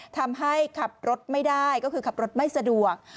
ทำให้ขับรถไม่ได้ก็คือขับรถไม่สะดวก